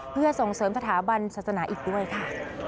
เพื่อส่งเสริมสถาบันศาสนาอีกด้วยค่ะ